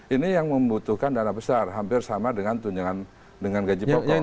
ini yang membutuhkan dana besar hampir sama dengan gaji pokok